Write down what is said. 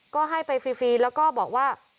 ก็ให้ไปฟรีแล้วก็บอกว่า